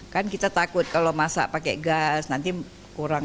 kan kita takut kalau masak pakai gas nanti kurang